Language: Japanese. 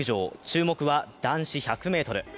注目は、男子１００ｍ。